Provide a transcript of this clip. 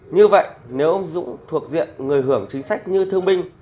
như vậy nếu ông dũng thuộc diện người hưởng chính sách như thương binh